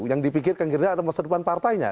yang dipikirkan gerindra adalah masa depan partainya